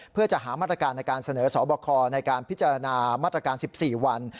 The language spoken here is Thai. เพื่อจะหามาตรการในการเสนอสอบคอในการพิจารณามาตรการ๑๔วัน